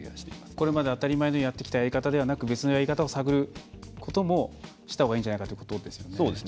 これまで当たり前のようにやってきたやり方ではなく別のやり方を探ることもしたほうがいいんじゃないかということですよね。